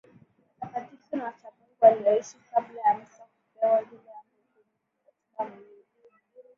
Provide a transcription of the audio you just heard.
Watakatifu na wacha Mungu walioishi kabla ya Musa kupewa zile Amri kumi katika Mlima